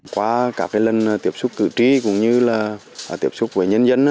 qua các lần tiếp xúc cử tri cũng như là tiếp xúc với nhân dân